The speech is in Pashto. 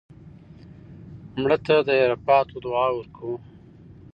مړه ته د عرفاتو دعا ورکوو